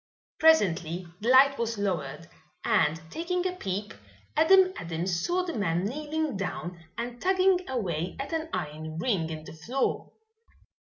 Presently the light was lowered, and taking a peep Adam Adams saw the man kneeling down and tugging away at an iron ring in the floor.